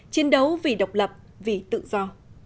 chiến đấu vì độc lập vì tự do